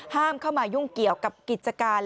ห้ามให้โรคนายุ่งเกี่ยวกับกิจการ